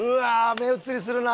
目移りするなあ。